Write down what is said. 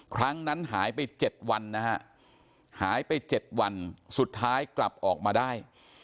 ครั้งนั้นหายไป๗วันนะฮะหายไป๗วันสุดท้ายกลับออกมาได้